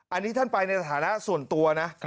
อันนี้ท่านไปในฐานะส่วนตัวนะ